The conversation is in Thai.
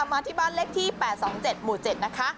มาที่บ้านเลขที่๘๒๗หมู่๗นะคะ